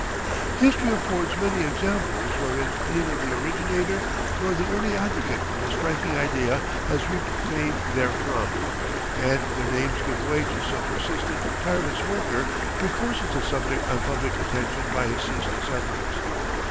History affords many examples wherein neither the originator nor the early advocate of a striking idea has reaped fame therefrom, and their names give way to some persistent, tireless worker who forces the subject on public attention by his ceaseless efforts.